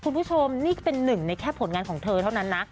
คุณผู้ชมนี่ก็เป็นหนึ่งในแค่ผลงานของเธอเท่านั้นนะ